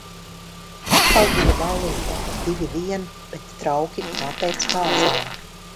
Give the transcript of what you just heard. Atkal bija ballīte, divi vien, bet trauki kā pēc kāzām.